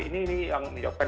ini yang menyebabkan